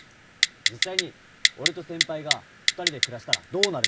実際に俺と先輩が２人で暮らしたらどうなるのか。